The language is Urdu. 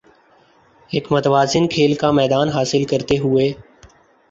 ایک متوازن کھیل کا میدان حاصل کرتے ہوے